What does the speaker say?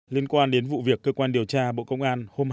liên quan đến vụ việc cơ quan điều tra bộ công an